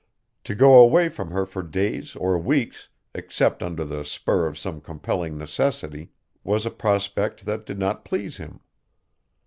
To go away from her for days or weeks except under the spur of some compelling necessity was a prospect that did not please him.